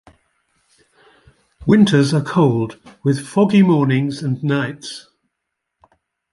Winters are cold with foggy mornings and nights.